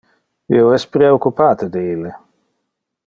Io es preoccupate re ille.